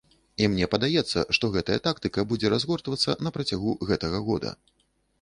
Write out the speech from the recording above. І мне падаецца, што гэтая тактыка будзе разгортвацца на працягу гэтага года.